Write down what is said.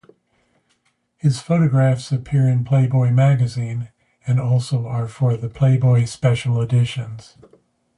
His photographs appear in Playboy magazine and also are for the "Playboy Special Editions".